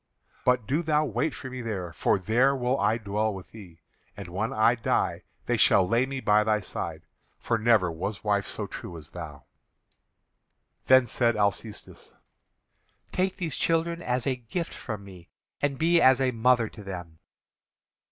But do thou wait for me there, for there will I dwell with thee; and when I die they shall lay me by thy side, for never was wife so true as thou." Then said Alcestis: "Take these children as a gift from me, and be as a mother to them."